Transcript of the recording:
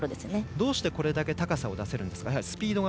どうしてこれだけ高さを出せるんですか。